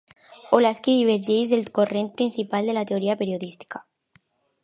Olasky divergeix del corrent principal de la teoria periodística.